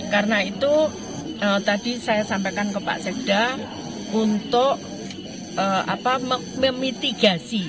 karena itu tadi saya sampaikan ke pak seda untuk memitigasi